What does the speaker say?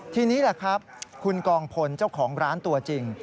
ทีนี้แหละครับคุณกองพลเจ้าของร้านตัวจริง